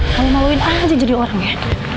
malu maluin aja jadi orang ya